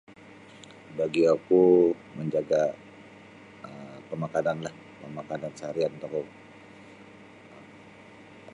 Bagi oku manjaga um pemakananlah pemakanan seharian tokou.